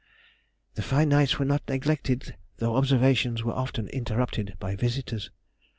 The fine nights were not neglected, though observations were often interrupted by visitors.